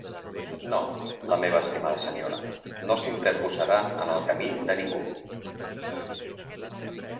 No, la meva estimada senyora, no s'interposarà en el camí de ningú.